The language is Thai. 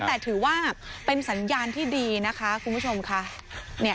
แต่ถือว่าเป็นสัญญาณที่ดีนะคะคุณผู้ชมค่ะ